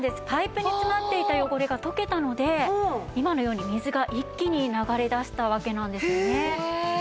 パイプに詰まっていた汚れが溶けたので今のように水が一気に流れ出したわけなんですよね。